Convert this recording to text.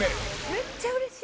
めっちゃうれしい！